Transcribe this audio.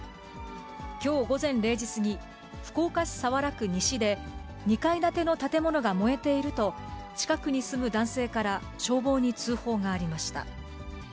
きょう午前０時過ぎ、福岡市早良区西で、２階建ての建物が燃えていると、近くに住む男性から消防に通報がありました。